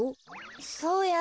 そうや。